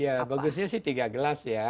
ya bagusnya sih tiga gelas ya